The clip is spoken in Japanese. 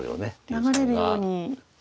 流れるように。